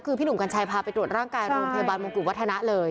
คือพี่หนุ่มกัญชัยพาไปตรวจร่างกายโรงพยาบาลมงกุฎวัฒนะเลย